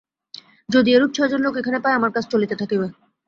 যদি এইরূপ ছয়জন লোক এখানে পাই, আমার কাজ চলিতে থাকিবে।